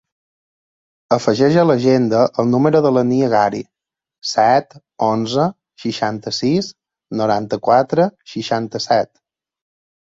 Afegeix a l'agenda el número de la Nia Gari: set, onze, seixanta-sis, noranta-quatre, seixanta-set.